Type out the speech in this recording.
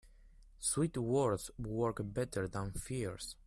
Sweet words work better than fierce.